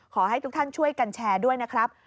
ขอให้ทุกท่านช่วยกันแชร์ด้วยนะครับ